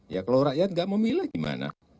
ya kalau rakyat nggak memilih gimana